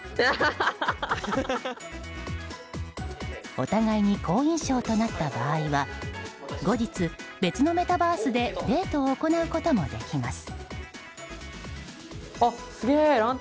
お互いに好印象となった場合は後日、別のメタバースでデートを行うこともできます。